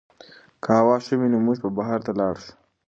که هوا ښه وي نو موږ به بهر ته لاړ شو.